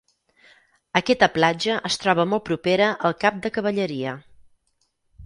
Aquesta platja es troba molt propera al Cap de Cavalleria.